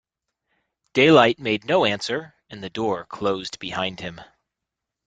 Daylight made no answer, and the door closed behind him.